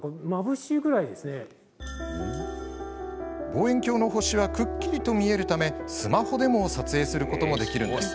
望遠鏡の星はくっきりと見えるためスマホでも撮影することもできるんです。